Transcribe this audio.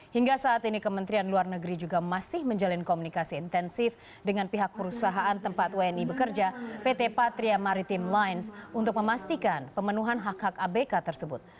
hingga saat ini kementerian luar negeri juga masih menjalin komunikasi intensif dengan pihak perusahaan tempat wni bekerja pt patria maritim lines untuk memastikan pemenuhan hak hak abk tersebut